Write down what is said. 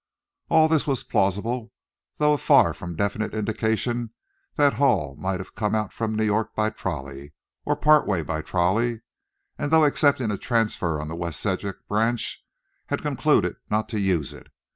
All this was plausible, though a far from definite indication that Hall might have come out from New York by trolley, or part way by trolley, and though accepting a transfer on the West Sedgwick branch, had concluded not to use it.